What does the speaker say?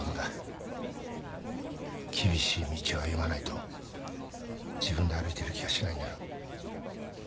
厳しい道を歩まないと自分で歩いてる気がしないんだろう。